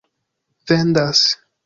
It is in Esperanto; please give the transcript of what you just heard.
vendas